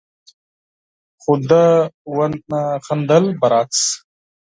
خو ده ونه خندل، برعکس،